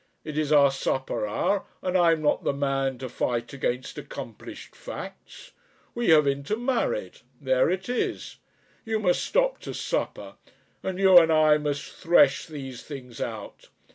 It is our supper hour, and I'm not the man to fight against accomplished facts. We have intermarried. There it is. You must stop to supper and you and I must thresh these things out.